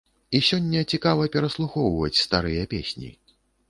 І сёння цікава пераслухоўваць старыя песні.